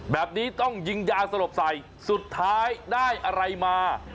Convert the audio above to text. แบบนี้ต้องยิงยาสลบใส่สุดท้ายได้อะไรมา